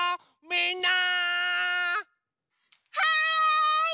はい！